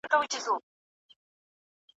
ایا ونه بېرته له پاڼو ډکه شوې ده؟